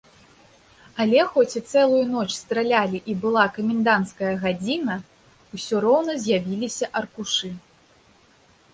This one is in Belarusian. Але хоць і цэлую ноч стралялі і была каменданцкая гадзіна, усё роўна з'явіліся аркушы.